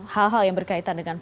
hal hal yang berkaitan dengan